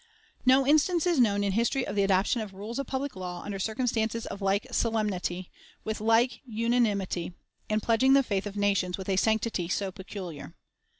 No instance is known in history of the adoption of rules of public law under circumstances of like solemnity, with like unanimity, and pledging the faith of nations with a sanctity so peculiar.